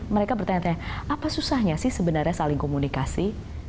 mereka bertanya tanya apa susahnya sih sebenarnya saling komunikasi